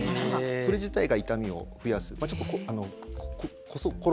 それ自体が痛みを増やす。